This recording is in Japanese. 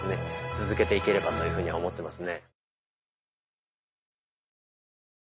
続けていければというふうに思ってますね。